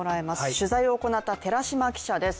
取材を行った寺島記者です。